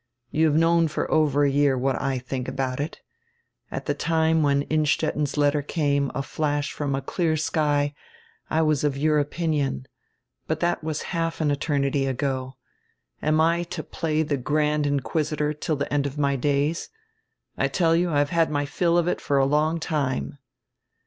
You have known for over a year what I diink about it. At the time when Innstetten's letter came, a dash from a clear sky, I was of your opinion. But diat was half an eternity ago. Am I to play die grand inquisitor till die end of my days? I tell you, I have had my fill of it for a long time."